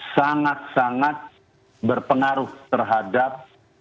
sangat sangat berpengaruh terhadap